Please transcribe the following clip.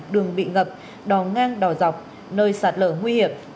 đường bị ngập đò ngang đò dọc nơi sạt lở nguy hiểm